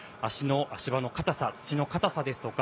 足場の硬さ、土の硬さですとか